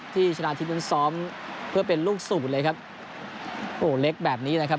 ชนะทิพย์นั้นซ้อมเพื่อเป็นลูกศูนย์เลยครับโอ้โหเล็กแบบนี้นะครับ